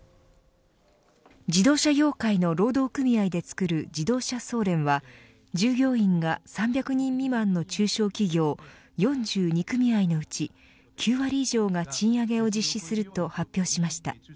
自動車業界の労働組合で作る自動車総連は従業員が３００人未満の中小企業４２組合のうち９割以上が賃上げを実施すると発表しました。